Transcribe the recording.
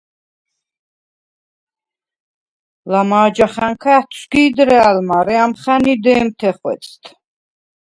ლამა̄ჯახა̈ნქა ა̈თვსგი̄დრა̄̈ლ, მარე ამხა̈ნი დე̄მთე ხვეწდ.